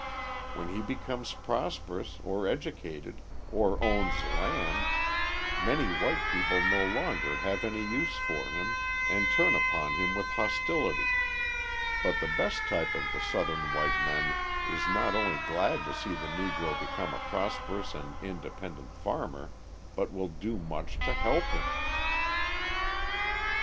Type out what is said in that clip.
When he becomes prosperous, or educated, or owns land, many white people no longer "have any use for him" and turn upon him with hostility, but the best type of the Southern white men is not only glad to see the Negro become a prosperous and independent farmer but will do much to help him.